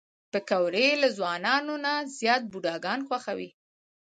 پکورې له ځوانانو نه زیات بوډاګان خوښوي